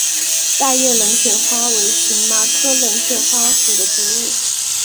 大叶冷水花为荨麻科冷水花属的植物。